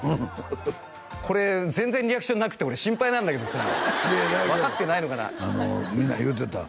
これ全然リアクションなくて俺心配なんだけどさ分かってないのかな？